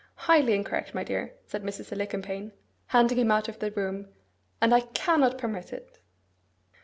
'Highly incorrect, my dear,' said Mrs. Alicumpaine, handing him out of the room, 'and I cannot permit it.